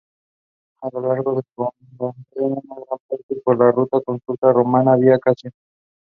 It is has long stems with small green leaves and bright yellow flowers.